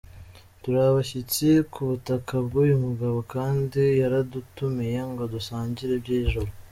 Turi abashyitsi ku butaka bw’uyu mugabo kandi yaradutumiye ngo dusangire iby’ijoro.